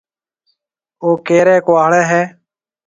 او ڪيرِي ڪُهاڙِي هيَ؟